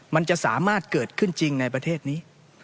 มันจะสามารถเกิดขึ้นจริงในประเทศนี้